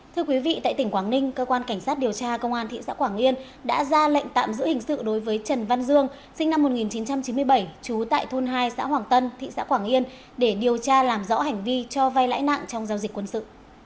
thưa quý vị tại tỉnh quảng ninh cơ quan cảnh sát điều tra công an thị xã quảng yên đã ra lệnh tạm giữ hình sự đối với trần văn dương sinh năm một nghìn chín trăm chín mươi bảy trú tại thôn hai xã hoàng tân thị xã quảng yên để điều tra làm rõ hành vi cho vay lãi nặng trong giao dịch quân sự